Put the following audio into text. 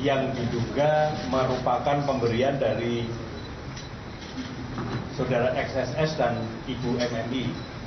yang diduga merupakan pemberian dari saudara xss dan ibu mmi